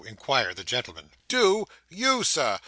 inquired the gentleman. 'Do! You, Sir!